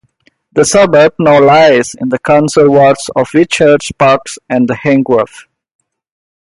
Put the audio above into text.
The suburb now lies in the council wards of Whitchurch Park and Hengrove.